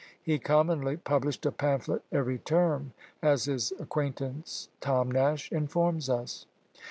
He commonly published a pamphlet every term, as his acquaintance Tom Nash informs us.